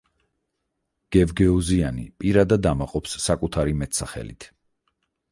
გევგეოზიანი პირადად ამაყობს საკუთარი მეტსახელით.